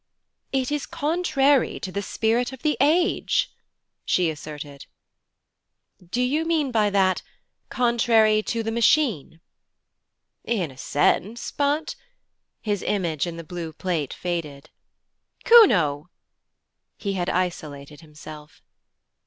'It is contrary to the spirit of the age,' she asserted. 'Do you mean by that, contrary to the Machine?' 'In a sense, but ' His image is the blue plate faded. 'Kuno!' He had isolated himself.